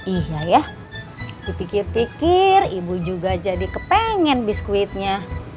iya ya dipikir pikir ibu juga jadi kepengen biskuitnya